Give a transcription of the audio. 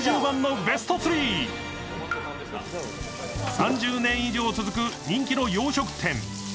３０年以上続く人気の洋食店。